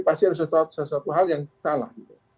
pasti ada sesuatu hal yang salah